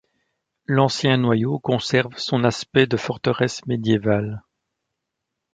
L'ancien noyau conserve son aspect de forteresse médiévale.